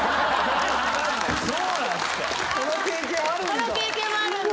この経験あるんだ！